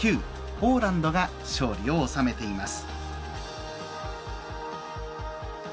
ポーランドが勝利を収めています。